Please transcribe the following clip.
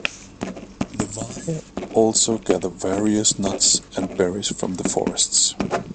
The Vai also gather various nuts and berries from the forests.